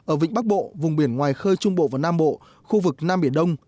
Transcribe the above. ở vịnh bắc bộ vùng biển ngoài khơi trung bộ và nam bộ khu vực nam biển đông